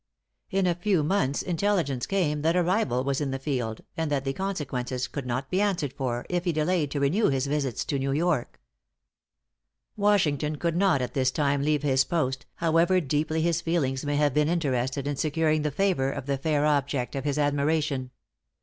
In a few months intelligence came that a rival was in the field, and that the consequences could not be answered for, if he delayed to renew his visits to New York." Washington could not at this time leave his post, however deeply his feelings may have been interested in securing the favor of the fair object of his admiration.